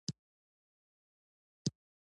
تر ټولو لويه تحفه